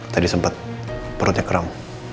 tadi sempet perutnya keram